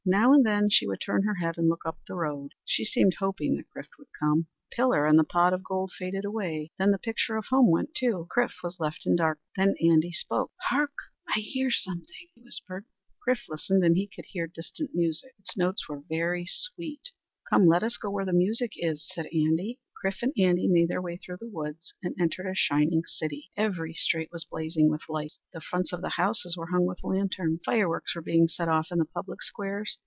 Now and then she would turn her head and look up the road. She seemed hoping that Chrif would come. The pillar and the pot of gold faded away; then the picture of home went too. Chrif was left in darkness. Then Andy spoke. "Hark!" he whispered, "I hear something." Chrif at the Palace Chrif listened and he too heard distant music. Its notes were very sweet. "Come, let us go where the music is!" said Andy. Chrif and Andy made their way through the woods and entered a shining city. Every street was blazing with lights; the fronts of the houses were hung with lanterns; fireworks were being set off in the public squares.